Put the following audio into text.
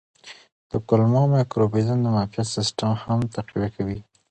د کولمو مایکروبیوم د معافیت سیستم هم تقویه کوي.